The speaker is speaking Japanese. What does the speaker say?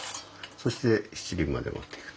そして七輪まで持っていくと。